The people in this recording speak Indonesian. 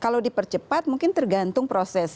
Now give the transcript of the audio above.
kalau dipercepat mungkin tergantung proses